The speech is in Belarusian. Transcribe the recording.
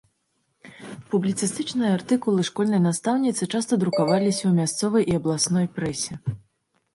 Публіцыстычныя артыкулы школьнай настаўніцы часта друкаваліся ў мясцовай і абласной прэсе.